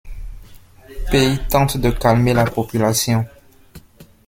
Pey tente de calmer la population.